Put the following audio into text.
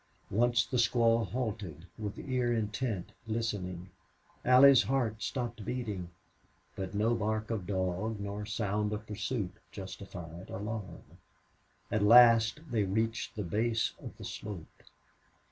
Once the squaw halted, with ear intent, listening. Allie's heart stopped beating. But no bark of dog, no sound of pursuit, justified alarm. At last they reached the base of the slope.